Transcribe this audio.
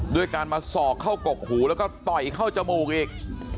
ด้วยการมาสอกเข้ากกหูแล้วก็ต่อยเข้าจมูกอีก